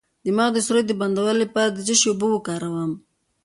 د مخ د سوریو د بندولو لپاره د څه شي اوبه وکاروم؟